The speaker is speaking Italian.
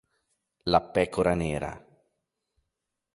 La pecora nera